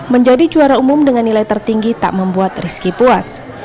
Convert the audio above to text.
menjadi juara umum dengan nilai tertinggi tak membuat rizky puas